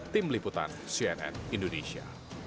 tim liputan cnn indonesia